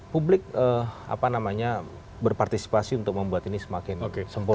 publik berpartisipasi untuk membuat ini semakin sempurna